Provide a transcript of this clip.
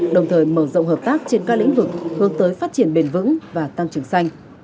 đồng thời mở rộng hợp tác trên các lĩnh vực hướng tới phát triển bền vững và tăng trưởng xanh